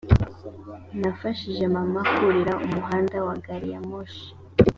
nafashije mama kurira umuhanda wa gariyamoshi